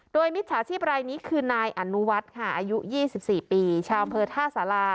โดยมิตรสาธิบรายนี้คือนายอนุวัฒน์ค่ะอายุยี่สิบสี่ปีชาวเมืองท่าสารา